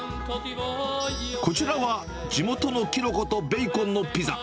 こちらは、地元のキノコとベーコンのピザ。